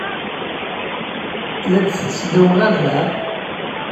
La d-tetteddum ɣer da?